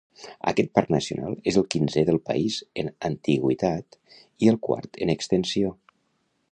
Aquest parc nacional és el quinzè del país en antiguitat i el quart en extensió.